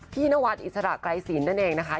พี่นวัดอิสระไกรศีลนั่นเองนะคะ